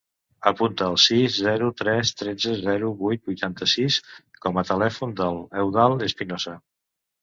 Apunta el sis, zero, tres, tretze, zero, vuit, vuitanta-sis com a telèfon de l'Eudald Espinosa.